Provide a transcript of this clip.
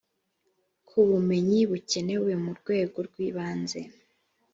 ku bumenyi bukenewe mu rwego rw ibanze